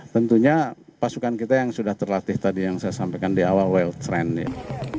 tentunya pasukan kita yang sudah terlatih tadi yang saya sampaikan di awal well trend ya